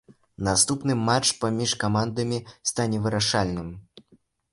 Наступны матч паміж камандамі стане вырашальным.